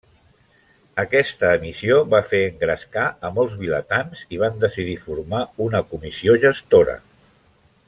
Aquesta emissió va fer engrescar a molts vilatans i van decidir formar una comissió gestora.